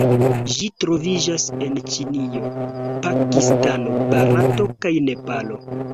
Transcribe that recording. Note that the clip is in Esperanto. Ĝi troviĝas en Ĉinio, Pakistano, Barato kaj Nepalo.